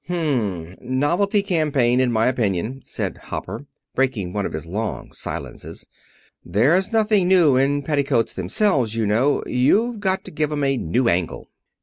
"H m, novelty campaign, in my opinion," said Hopper, breaking one of his long silences. "There's nothing new in petticoats themselves, you know. You've got to give 'em a new angle."